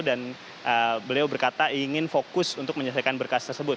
dan beliau berkata ingin fokus untuk menyelesaikan berkas tersebut